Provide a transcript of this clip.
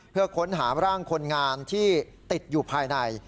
เพื่อค้นหาร่างคนงานที่ติดอยู่ภายใน